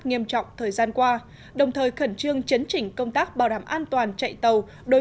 nghiêm trọng thời gian qua đồng thời khẩn trương chấn chỉnh công tác bảo đảm an toàn chạy tàu đối